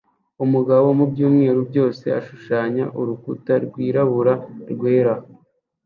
Umugabo mubyumweru byose ashushanya urukuta rwirabura rwera